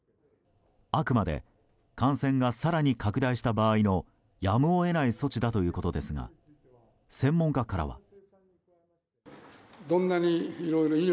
あくまで感染が更に拡大した場合のやむを得ない措置だということですが専門家からは。